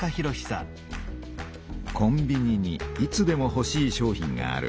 コンビニにいつでもほしい商品がある。